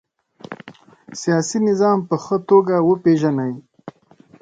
سیاسي نظام په ښه توګه وپيژنئ.